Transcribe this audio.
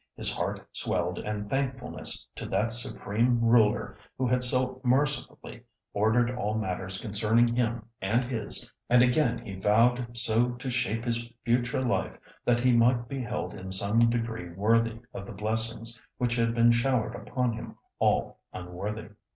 His heart swelled with thankfulness to that Supreme Ruler who had so mercifully ordered all matters concerning him and his, and again he vowed so to shape his future life that he might be held in some degree worthy of the blessings which had been showered upon him all unworthy.